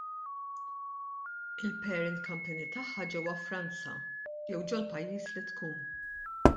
Il-parent company tagħha ġewwa Franza, jew ġol-pajjiż li tkun!